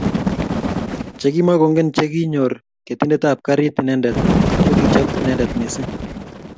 Chekimakongen chekinyor ketindetap garit inendet kokichup inendet missing